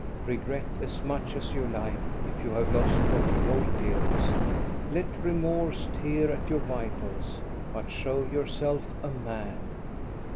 Re gret as much as you like if you have lost what you hold dearest, let remorse tear at your vitals, but show yourself a man.